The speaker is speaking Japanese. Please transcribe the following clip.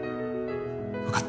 分かった。